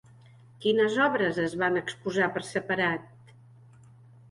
Quines obres es van exposar per separat?